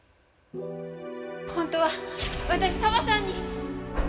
本当は私沢さんに。